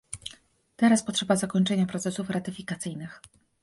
Teraz potrzeba zakończenia procesów ratyfikacyjnych